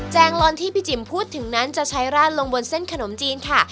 งลอนที่พี่จิ๋มพูดถึงนั้นจะใช้ราดลงบนเส้นขนมจีนค่ะ